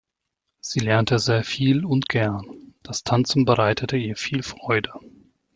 Sie lernte sehr viel und gern, das Tanzen bereitete ihr viel Freude.